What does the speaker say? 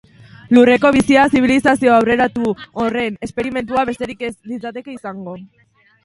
Lurreko bizia zibilizazio aurreratu horren esperimentua besterik ez litzateke izango.